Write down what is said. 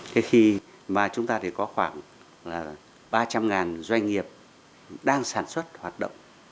thế khi mà chúng ta thì có khoảng ba trăm linh doanh nghiệp đang sản xuất hoạt động